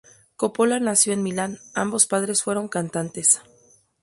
Coppola nació en Milán; ambos padres fueron cantantes.